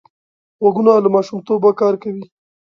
غوږونه له ماشومتوبه کار کوي